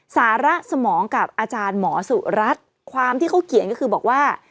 สาระสมองกับอาจารย์หมอสุรัตน์ความที่เขาเขียนก็คือบอกว่า